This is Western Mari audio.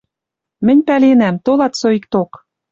Мӹнь пӓленӓм, толат соикток!»